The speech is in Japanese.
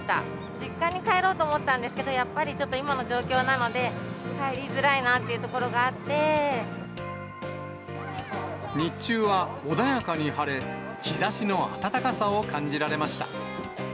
実家に帰ろうと思ったんですけど、やっぱりちょっと、今の状況なので、帰りづらいなっていうところ日中は穏やかに晴れ、日ざしの暖かさを感じられました。